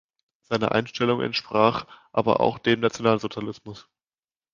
Seine Einstellung entsprach aber auch dem Nationalsozialismus.